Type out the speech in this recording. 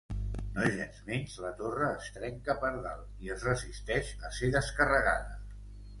Nogensmenys la torre es trencà per dalt i es resisteix a ser descarregada.